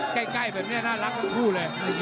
ใกล้แบบนี้น่ารักทั้งคู่เลย